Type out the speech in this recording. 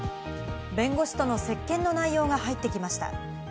弁護士との接見の内容が入ってきました。